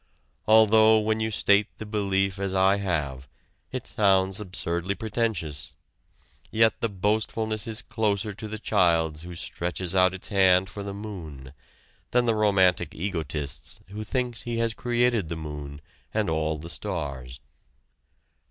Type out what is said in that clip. Although when you state the belief as I have, it sounds absurdly pretentious, yet the boastfulness is closer to the child's who stretches out its hand for the moon than the romantic egotist's who thinks he has created the moon and all the stars.